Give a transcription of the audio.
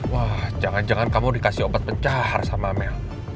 wah jangan jangan kamu dikasih obat pencahar sama mel